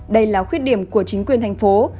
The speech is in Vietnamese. đây là khuyết điểm của chính quyền thành phố